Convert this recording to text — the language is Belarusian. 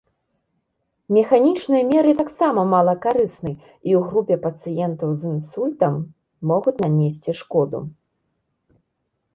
Механічныя меры таксама малакарысны і ў групе пацыентаў з інсультам могуць нанесці шкоду.